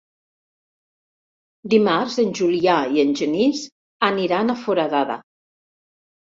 Dimarts en Julià i en Genís aniran a Foradada.